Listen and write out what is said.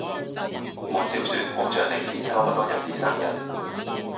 我笑說好像你是差不多日子生日